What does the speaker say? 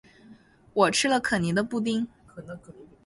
我吃了可妮的布丁